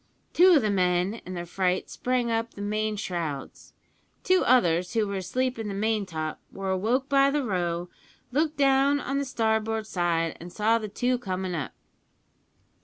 Two of the men in their fright sprang up the main shrouds. Two others, who were asleep in the main top, were awoke by the row, looked down on the starboard side, an' saw the two comin' up.